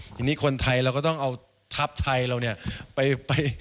ทีนี้คนไทยเราก็ต้องเอาทัพไทยเราเนี่ยไป